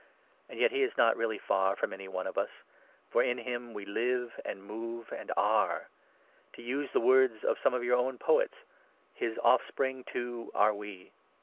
And yet he is not really far from any one of us ; for in him 28 we live and move and are. To use the words of some of your own poets —' His offspring, too, are we.'